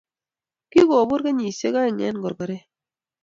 kikopur kenyishiek aen en gorgoret